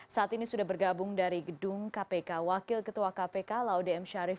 saat ini sudah bergabung dari gedung kpk wakil ketua kpk laude m syarif